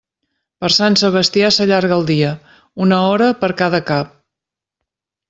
Per Sant Sebastià s'allarga el dia, una hora per cada cap.